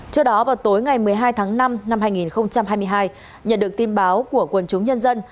trước đó vào tối ngày một mươi hai tháng năm năm hai nghìn hai mươi hai nhận được tin báo của quần chúng nhân dân